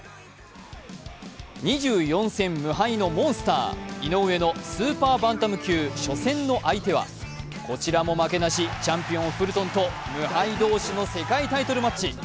２４戦無敗のモンスター井上のスーパーバンタム級、初戦の相手は、こちらも負けなし、チャンピオン・フルトンと無敗同士の世界タイトルマッチ。